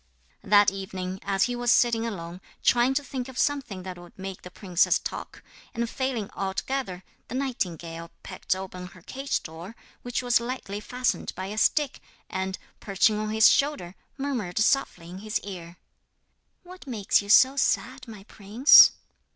That evening, as he was sitting alone, trying to think of something that would make the princess talk, and failing altogether, the nightingale pecked open her cage door, which was lightly fastened by a stick, and, perching on his shoulder, murmured softly in his ear: 'What makes you so sad, my prince?'